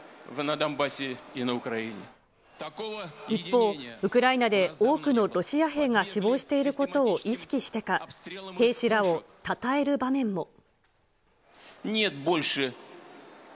一方、ウクライナで多くのロシア兵が死亡していることを意識してか、兵士らをたたえる場面も。